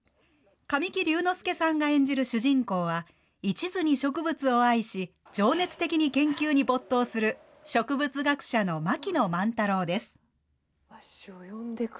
神木隆之介さんが演じる主人公は、一途に植物を愛し、情熱的に研究に没頭する植物学者の槙野万太郎です。